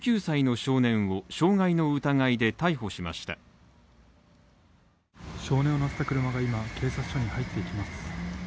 少年を乗せた車が今警察署に入っていきます。